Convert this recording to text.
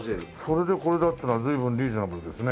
それでこれだったら随分リーズナブルですね。